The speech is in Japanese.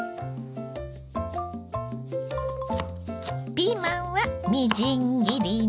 ピーマンはみじん切りに。